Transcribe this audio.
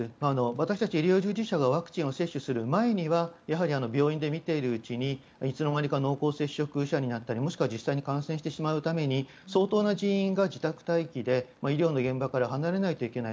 私たち医療従事者がワクチンを接種する前にはやはり病院で診ているうちにいつのまにか濃厚接触者になったりもしくは実際に感染してしまうために相当の人員が自宅待機で医療の現場から離れないといけない。